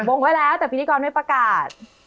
งไว้แล้วแต่พิธีกรไม่ประกาศ